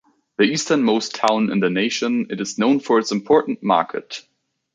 The easternmost town in the nation, it is known for its important market.